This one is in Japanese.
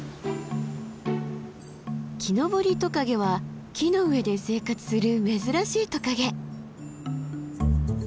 キノボリトカゲは木の上で生活する珍しいトカゲ。